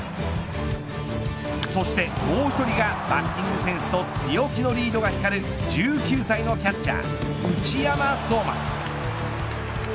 そしてもう１人がバッティングセンスと強気のリードが光る１９歳のキャッチャー内山壮真。